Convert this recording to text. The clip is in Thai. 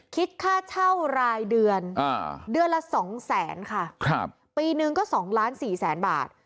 คิดค่าเช่ารายเดือนเดือนละสองแสนค่ะปีนึงก็สองล้านสี่แสนบาท